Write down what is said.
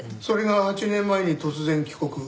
それが８年前に突然帰国。